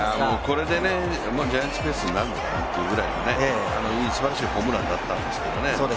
これでジャイアンツペースになるのかなというくらい、すばらしいホームランだったんですけどね